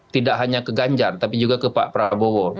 tidak hanya ke ganjar tapi juga ke pak prabowo